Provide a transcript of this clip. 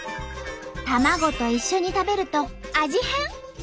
卵と一緒に食べると味変！